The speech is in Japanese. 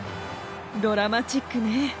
ドラマチックね。